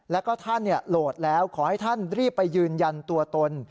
แล้วก็ท่านโหลดแล้วขอให้ท่านรีบไปยืนยันตัวตน